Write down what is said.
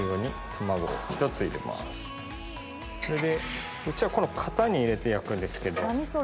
それでうちはこの型に入れて焼くんですけど。